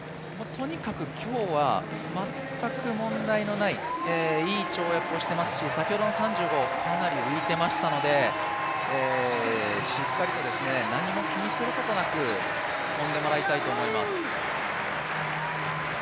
とにかく今日は全く問題のないいい跳躍をしていますし先ほどの３５、かなり浮いてましたのでしっかりと何も気にすることなく跳んでもらいたいと思います。